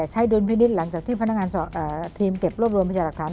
หลังจากที่พนักงานทีมเก็บรวบรวมพยาหลักฐาน